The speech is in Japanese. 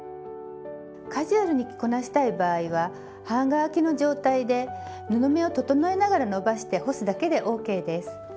カジュアルに着こなしたい場合は半乾きの状態で布目を整えながら伸ばして干すだけでＯＫです。